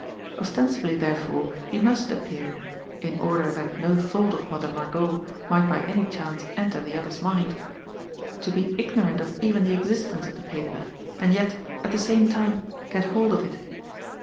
Os tensibly, therefore, he must appear id order that no thought of Mother Margot might by any chance enter the other's mind to be ignorant of even the existence of the paper, and yet, at the same time, get hold of it.